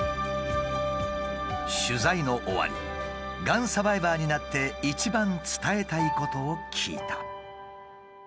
取材の終わりがんサバイバーになって一番伝えたいことを聞いた。